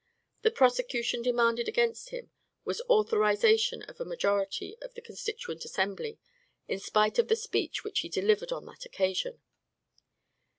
The prosecution demanded against him was authorized by a majority of the Constituent Assembly, in spite of the speech which he delivered on that occasion.